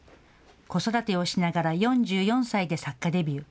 子育てをしながら４４歳で作家デビュー。